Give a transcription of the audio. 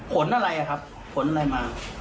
ผลอะไรครับขนอะไรมา